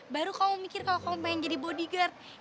baru kamu mikir kalau kamu mau jadi bodyguard